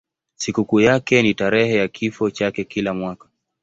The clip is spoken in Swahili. Sikukuu yake ni tarehe ya kifo chake kila mwaka.